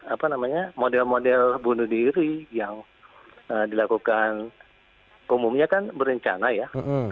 apa namanya model model bunuh diri yang dilakukan umumnya kan berencana ya